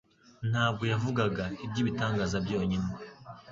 Ntabwo yavugaga; iby'ibitangaza byonyine,